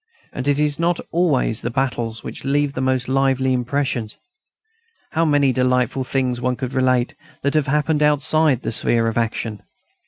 And it is not always the battles which leave the most lively impressions. How many delightful things one could relate that have happened outside the sphere of action!